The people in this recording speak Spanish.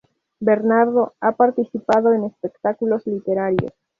Bernardo ha participado en espectáculos literarios.